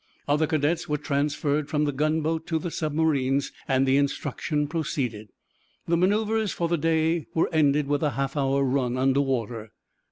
Other cadets were transferred from the gunboat to the submarines, and the instruction proceeded. The manœuvers for the day were ended with a half hour run under water.